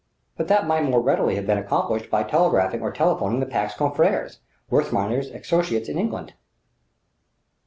But that might more readily have been accomplished by telegraphing or telephoning the Pack's confreres, Wertheimer's associates in England!